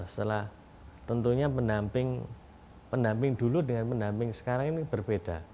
setelah tentunya pendamping dulu dengan pendamping sekarang ini berbeda